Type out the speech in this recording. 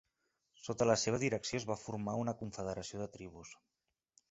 Sota la seva direcció es va formar una confederació de tribus.